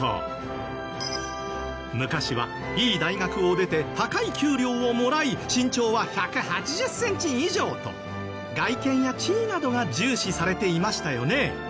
昔はいい大学を出て高い給料をもらい身長は１８０センチ以上と外見や地位などが重視されていましたよね。